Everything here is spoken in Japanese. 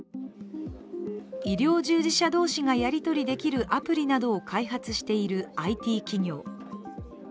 医療従事者同士がやり取りできるアプリなどを開発しているＩＴ企業。